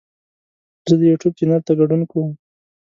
زه د یوټیوب چینل ته ګډون کوم.